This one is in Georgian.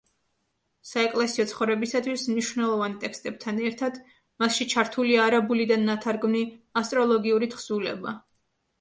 საეკლესიო ცხოვრებისათვის მნიშვნელოვან ტექსტებთან ერთად მასში ჩართულია არაბულიდან ნათარგმნი ასტროლოგიური თხზულება.